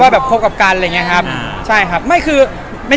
พี่เห็นไอ้เทรดเลิศเราทำไมวะไม่ลืมแล้ว